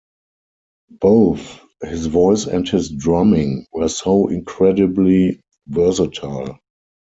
Both his voice and his drumming were so incredibly versatile.